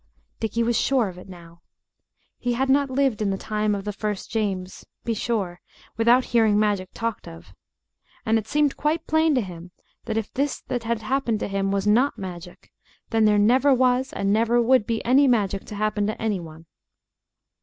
Dickie was sure of it now. He had not lived in the time of the First James, be sure, without hearing magic talked of. And it seemed quite plain to him that if this that had happened to him was not magic, then there never was and never would be any magic to happen to any one.